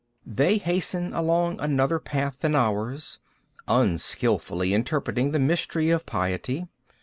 B. They hasten along another path than ours, unskilfully interpreting the mystery of piety.